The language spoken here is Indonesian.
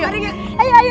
tidak ada kesana ayo